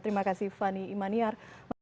terima kasih fani imaniar